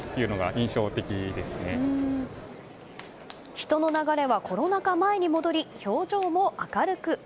人の流れはコロナ禍前に戻り表情も明るく。